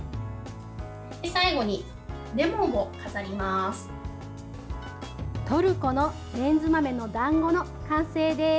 最後にレモンを飾ります。